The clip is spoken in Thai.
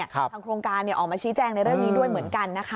ทางโครงการออกมาชี้แจงในเรื่องนี้ด้วยเหมือนกันนะคะ